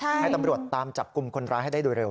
ให้ตำรวจตามจับกลุ่มคนร้ายให้ได้โดยเร็